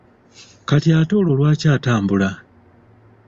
Kati ate olwo lwaki atambula?